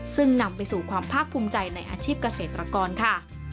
ซึ่งนำไปสู่ความภาคภูมิใจในอาชีพเกษตรกรค่ะ